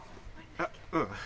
あっうん。